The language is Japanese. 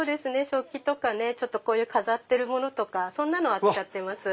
食器とか飾ってるものとかそんなのを扱ってます。